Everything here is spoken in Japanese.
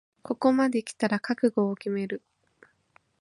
ここまできたら覚悟を決める